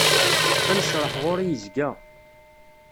Anecreḥ ɣuri yezga.